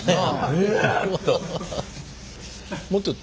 へえ。